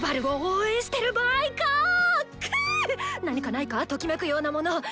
何かないかときめくようなもの。